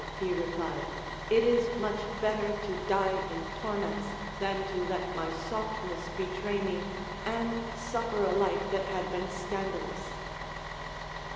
he replied, it is much better to die in torments, than to let niy softness betray me and suffer a life that had been scandalous.